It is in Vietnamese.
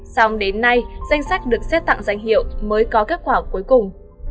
xong đến nay danh sách được xét tặng danh hiệu mới có kết quả cuối cùng